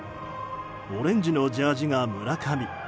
オレンジのジャージーが村上。